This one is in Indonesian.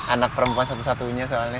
anak perempuan satu satunya soalnya